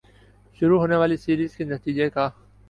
شروع ہونے والی سیریز کے نتیجے کا